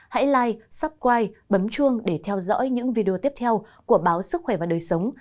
hãy like subscribe bấm chuông để theo dõi những video tiếp theo của báo sức khỏe và đời sống